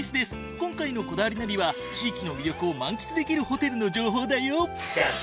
今回の『こだわりナビ』は地域の魅力を満喫できるホテルの情報だよ！